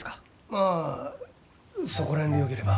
まあそこら辺でよければ。